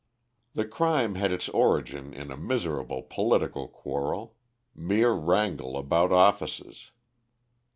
The crime had its origin in a miserable political quarrel mere wrangle about offices.